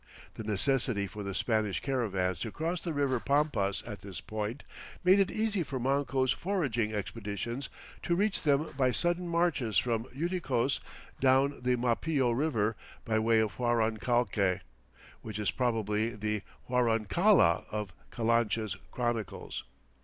The necessity for the Spanish caravans to cross the river Pampas at this point made it easy for Manco's foraging expeditions to reach them by sudden marches from Uiticos down the Mapillo River by way of Huarancalque, which is probably the "Huarancalla" of Calancha's "Chronicles."